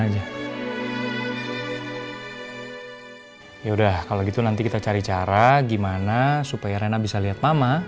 ya udah kalau gitu nanti kita cari cara gimana supaya rena bisa lihat mama